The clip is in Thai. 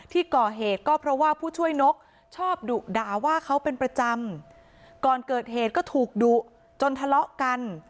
ที่ก่อเหตุก็เพราะว่าผู้ช่วยนกชอบดุด่าว่าเขาเป็นประจำก่อนเกิดเหตุก็ถูกดุจนทะเลาะกัน